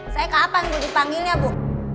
saya kapan bu dipanggilnya bu